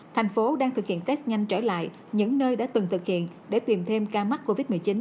thành phố đang thực hiện test nhanh trở lại những nơi đã từng thực hiện để tìm thêm ca mắc covid một mươi chín